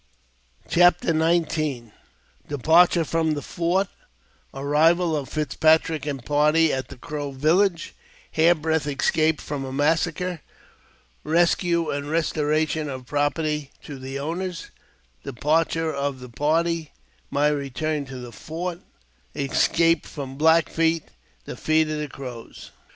CHAPTEE XIX. Departure from the Fort — Arrival of Fitzpatrick and Party at the Crow Village — Hairbreadth Escape from a Massacre — Kescue and Eestoration of Property to the Owners — Departure of the Party — My Keturn to the Fort — Escape from Black Feet — Defeat of the Crows.